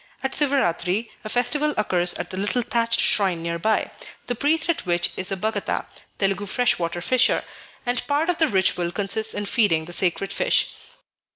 At Sivaratri, a festival occurs at the little thatched shrine near by, the priest at which is a Bagata (Telugu freshwater fisher), and part of the ritual consists in feeding the sacred fish.